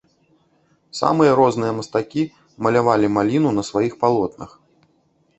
Самыя розныя мастакі малявалі маліну на сваіх палотнах.